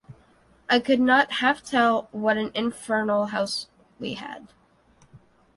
I could not half tell what an infernal house we had.